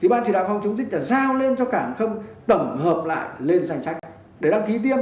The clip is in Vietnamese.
ban chỉ đạo phòng chống dịch đã giao lên cho cảng không tổng hợp lại lên danh sách để đăng ký tiêm